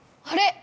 あれ！